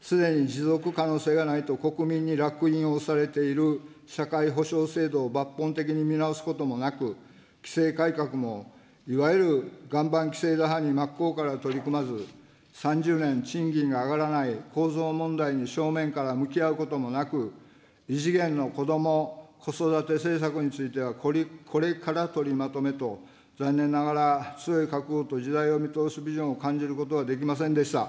すでに持続可能性がないと国民にらく印を押されている社会保障制度を抜本的に見直すこともなく、規制改革も、いわゆる岩盤規制打破に真っ向から取り組まず、３０年賃金が上がらない構造問題に正面から向き合うこともなく、異次元のこども・子育て政策については、これから取りまとめと、残念ながら、強い覚悟と時代を見通すビジョンを感じることはできませんでした。